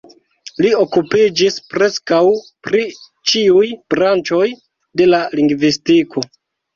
Li okupiĝis preskaŭ pri ĉiuj branĉoj de la lingvistiko.